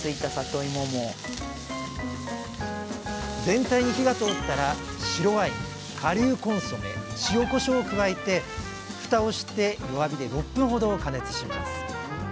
全体に火が通ったら白ワイン顆粒コンソメ塩こしょうを加えてふたをして弱火で６分ほど加熱します